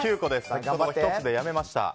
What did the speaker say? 先ほどは１つでやめました。